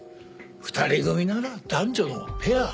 ２人組なら男女のペア。